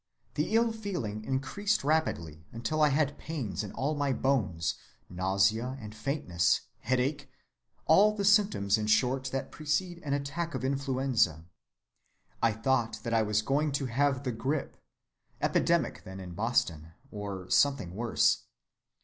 The ill feeling increased rapidly, until I had pains in all my bones, nausea and faintness, headache, all the symptoms in short that precede an attack of influenza. I thought that I was going to have the grippe, epidemic then in Boston, or something worse.